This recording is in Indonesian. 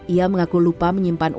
ia mengaku lupa menyimpan uang